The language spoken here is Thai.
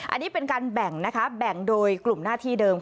อันนี้เป็นการแบ่งนะคะแบ่งโดยกลุ่มหน้าที่เดิม